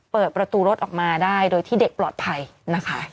เปิดประตูรถออกมาได้โดยที่เด็กปลอดภัยนะคะ